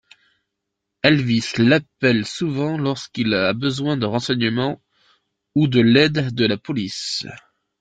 Elvis l'appelle souvent lorsqu'il a besoin de renseignements ou de l'aide de la police.